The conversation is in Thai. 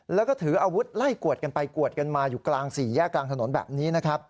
แล้วก็ถืออาวุธไล่กวดกันไปกวดกันมาอยู่กลางสี่แยกกลางถนนแบบนี้นะครับ